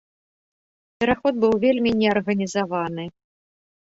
Пераход быў вельмі неарганізаваны.